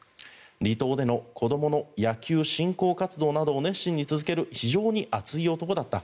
離島での子どもの野球振興活動などを熱心に続ける非常に熱い男だった